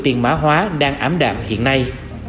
tiền mã hóa đang ám đạm hiện nay